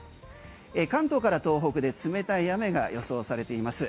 関東から東北で冷たい雨が予想されています。